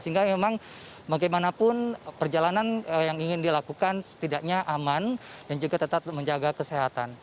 sehingga memang bagaimanapun perjalanan yang ingin dilakukan setidaknya aman dan juga tetap menjaga kesehatan